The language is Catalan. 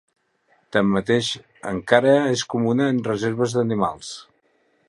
Tanmateix, encara és comuna en reserves d'animals.